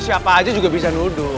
siapa aja juga bisa nuduh